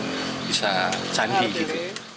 yang bisa canggih